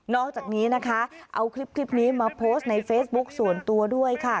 อกจากนี้นะคะเอาคลิปนี้มาโพสต์ในเฟซบุ๊คส่วนตัวด้วยค่ะ